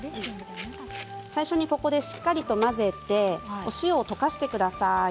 最初にここでしっかりと混ぜてお塩を溶かしてください。